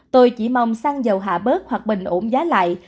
tôi chỉ mong xăng dầu hạ bớt hoặc bình ổn giá lại